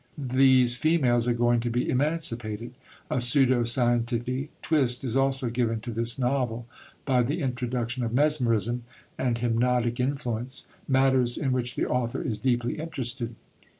These females are going to be emancipated. A pseudo scientific twist is also given to this novel by the introduction of mesmerism and hypnotic influence, matters in which the author is deeply interested.